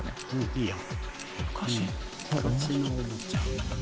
いいよ。